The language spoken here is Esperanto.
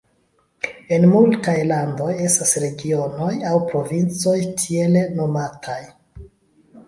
En multaj landoj estas regionoj aŭ provincoj tiele nomataj.